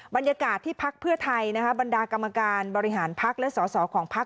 บรรยากาศที่พักเพื่อไทยบรรดากรรมการบริหารพักและสอสอของพัก